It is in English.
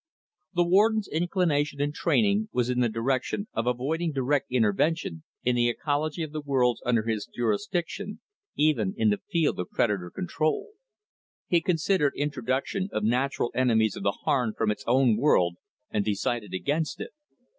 _ _The Warden's inclination and training was in the direction of avoiding direct intervention in the ecology of the worlds under his jurisdiction, even in the field of predator control. He considered introduction of natural enemies of the Harn from its own world, and decided against it.